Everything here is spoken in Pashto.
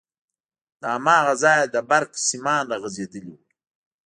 له هماغه ځايه د برق سيمان راغځېدلي وو.